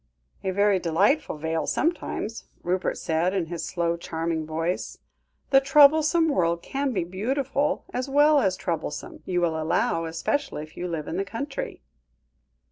"A very delightful vale sometimes," Rupert said, in his slow, charming voice; "the troublesome world can be beautiful, as well as troublesome, you will allow, especially if you live in the country."